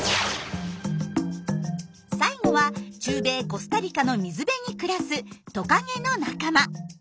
最後は中米コスタリカの水辺に暮らすトカゲの仲間。